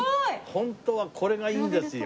ホントはこれがいいんですよ。